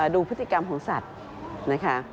ดูพฤติกรรมของสัตว์นะคะ